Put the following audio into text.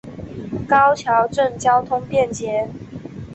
高桥镇交通便捷。